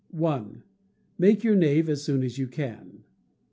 i. Make your knave as soon as you can.